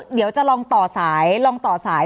เดี๋ยวจะลองต่อสาย